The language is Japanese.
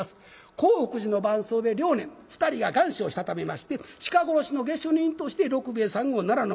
興福寺の伴僧で良念２人が願書をしたためまして鹿殺しの下手人として六兵衛さんを奈良の町奉行所へ訴え出ました。